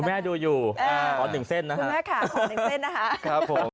คุณแม่ดูอยู่ขอหนึ่งเส้นนะครับ